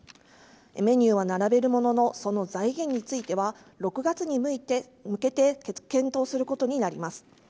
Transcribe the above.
メニューは並べるもののその財源については６月に向けて検討することになります。